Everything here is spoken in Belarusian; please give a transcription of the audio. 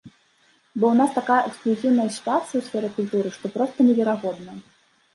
Бо ў нас такая эксклюзіўная сітуацыя ў сферы культуры, што проста неверагодна.